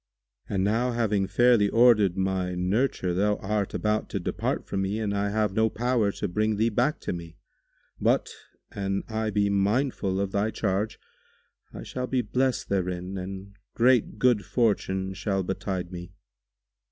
And now, having fairly ordered my nurture thou art about to depart from me and I have no power to bring thee back to me; but, an I be mindful of thy charge, I shall be blessed therein and great good fortune shall betide me."